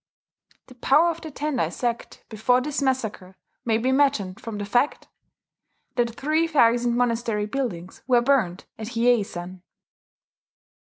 The power of the Tendai sect before this massacre may be imagined from the fact that three thousand monastery buildings were burnt at Hiyei san.